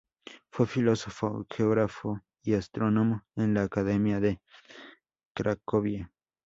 Fue filósofo, geógrafo y astrónomo en la Academia de Cracovia.